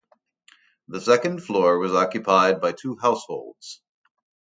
The second floor was occupied by two households.